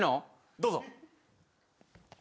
どうぞ。